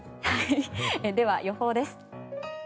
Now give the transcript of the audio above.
では、予報です。